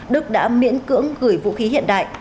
đức đã miễn cưỡng gửi vũ khí hiện đại